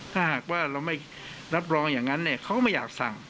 ถ้าหากว่าเราไม่รับรองอย่างนั้นเขาก็ไม่อยากสั่ง